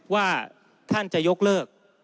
ว่าท่านจะยกเลิก